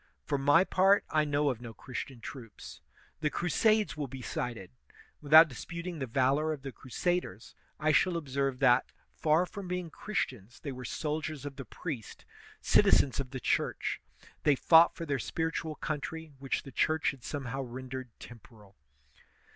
For my part, I know of no Christian troops. The crusades will be cited. With out disputing the valor of the crusaders, I shall observe that, far from being Christians, they were soldiers of the priest, citizens of the Church; they fought for their spiritual country, which the Church had somehow ren dered temporal.